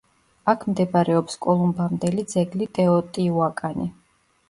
აქ მდებარეობს კოლუმბამდელი ძეგლი ტეოტიუაკანი.